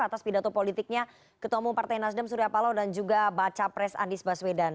atas pidato politiknya ketua umum partai nasdem surya paloh dan juga baca pres anies baswedan